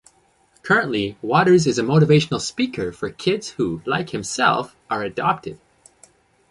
Currently Watters is a motivational speaker for kids who, like himself, are adopted.